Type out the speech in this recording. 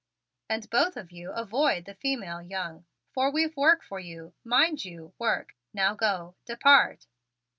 And both of you avoid the female young, for we've work for you; mind you, work and no gallivanting. Now go! Depart!"